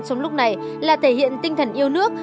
trong lúc này là thể hiện tinh thần yêu nước